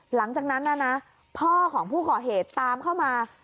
หลังจากนั้นนะพ่อของผู้ก่อเหตุตามเข้ามา